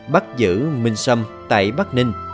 bắt giữ minh sâm tại bắc ninh